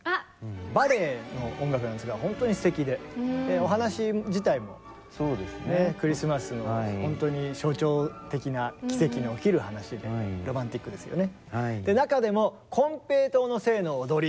バレエの音楽なんですがほんとにすてきでお話自体もクリスマスのほんとに象徴的な奇跡の起きる話でロマンティックですよね。